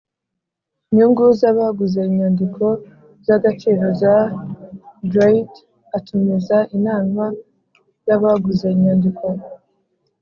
Nyungu z abaguze inyandiko z agaciro za dreit atumiza inama y abaguze inyandiko